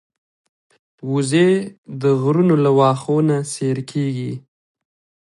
وزې د غرونو له واښو نه سیر کېږي